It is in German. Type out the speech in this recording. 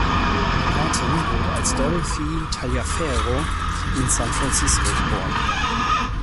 Martin wurde als "Dorothy Taliaferro" in San Francisco geboren.